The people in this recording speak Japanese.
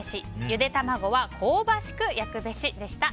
ゆで卵は香ばしく焼くべしでした。